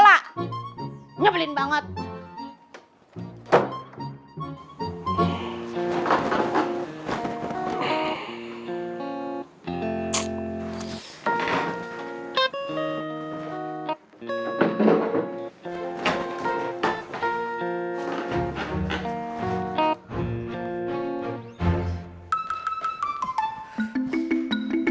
sedap sekarang waktu publik